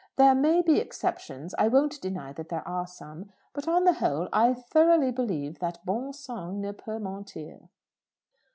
There may be exceptions I won't deny that there are some. But, on the whole, I thoroughly believe that bon sang ne peut mentir."